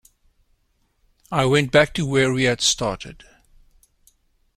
I went back to where we had started.